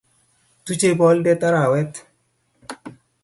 Tuchei boldet arawet